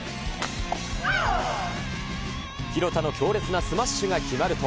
廣田の強烈なスマッシュが決まると。